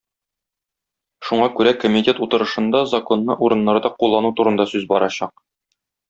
Шуңа күрә комитет утырышында законны урыннарда куллану турында сүз барачак.